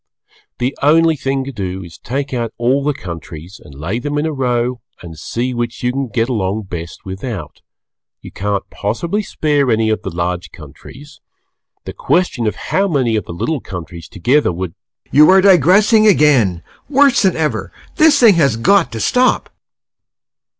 The only thing to do is to take out all the countries and lay them in a row and see which you can get along best without; you can't possibly spare any of the large countries; the question is how many of the little countries together would You are digressing again, worse than ever! This thing has got to stop!